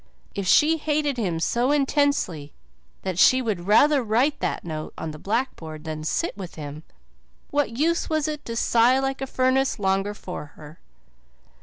If she hated him so intensely that she would rather write that note on the blackboard than sit with him, what use was it to sigh like a furnace longer for her?